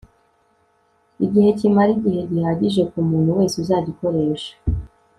igihe kimara igihe gihagije ku muntu wese uzagikoresha